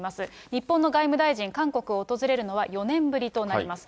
日本の外務大臣、韓国を訪れるのは４年ぶりとなります。